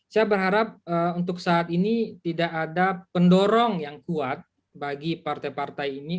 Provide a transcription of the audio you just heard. saya berharap untuk saat ini tidak ada pendorong yang kuat bagi partai partai ini